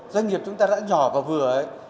doanh nghiệp chúng ta đã nhỏ và vừa ấy